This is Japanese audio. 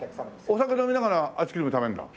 お酒飲みながらアイスクリーム食べるんだ？